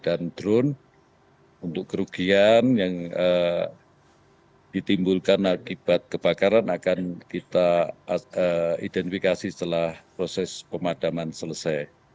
dan drone untuk kerugian yang ditimbulkan akibat kebakaran akan kita identifikasi setelah proses pemadaman selesai